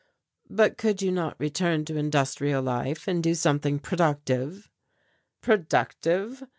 "But could you not return to industrial life and do something productive?" "Productive!"